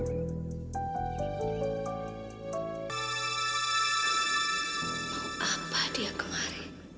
mau apa dia kemarin